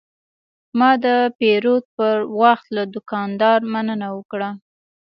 ما د پیرود پر وخت له دوکاندار مننه وکړه.